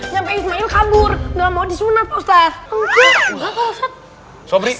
sampai ismail kabur gak mau disunat ustadz enggak pak ustadz